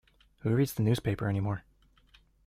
Who reads the newspaper anymore?